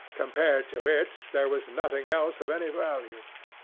Compared to it there was nothing else of any value.